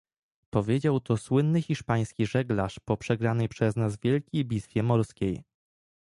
Powiedział to słynny hiszpański żeglarz po przegranej przez nas wielkiej bitwie morskiej